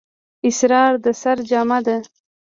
اسرار د سِر جمعه ده.